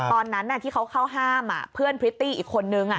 ตอนนั้นที่เขาเข้าห้ามเพื่อนพริตตี้อีกคนนึง